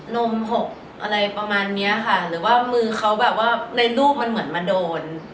นมหกอะไรประมาณเนี้ยค่ะหรือว่ามือเขาแบบว่าในรูปมันเหมือนมาโดน